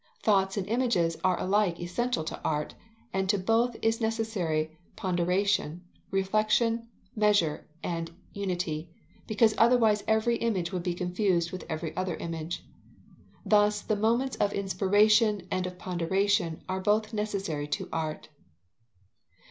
Thoughts and images are alike essential to art, and to both is necessary ponderation, reflexion, measure, and unity, because otherwise every image would be confused with every other image. Thus the moments of inspiration and of ponderation are both necessary to art.